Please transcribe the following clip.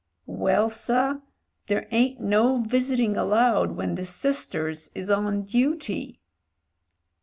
"Well, sir, there ain't no visiting allowed when the sisters is on duty."